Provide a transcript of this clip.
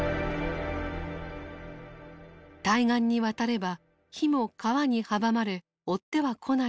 対岸に渡れば火も川に阻まれ追っては来ないと考えたのだ。